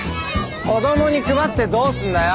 子どもに配ってどうすんだよ！